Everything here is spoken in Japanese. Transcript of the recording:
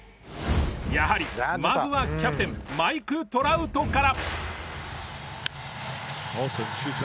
やはりまずはキャプテンマイク・トラウトから。